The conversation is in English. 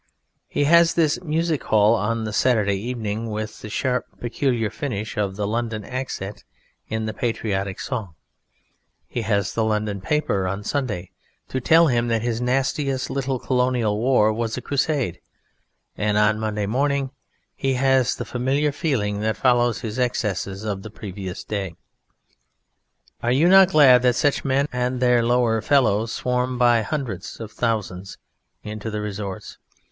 He has his music hall on the Saturday evening with the sharp, peculiar finish of the London accent in the patriotic song, he has the London paper on Sunday to tell him that his nastiest little Colonial War was a crusade, and on Monday morning he has the familiar feeling that follows his excesses of the previous day.... Are you not glad that such men and their lower fellows swarm by hundreds of thousands into the "resorts"?